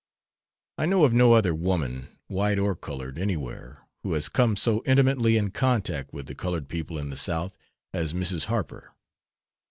I know of no other woman, white or colored, anywhere, who has come so intimately in contact with the colored people in the South as Mrs. Harper.